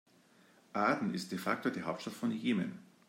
Aden ist de facto die Hauptstadt von Jemen.